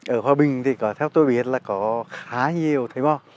ở hòa bình thì theo tôi biết là có khá nhiều thầy mò